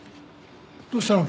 どうしたの？